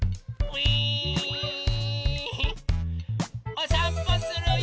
おさんぽするよ。